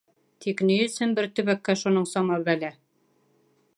Тик ни өсөн бер төбәккә шуның сама бәлә?